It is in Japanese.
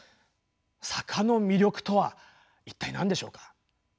坂の魅力とは一体何でしょうか？